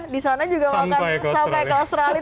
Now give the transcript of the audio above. di sana juga akan sampai ke australia